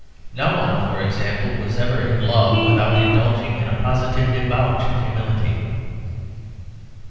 No one, for example, was ever in love without indulging in a positive debauch of humility.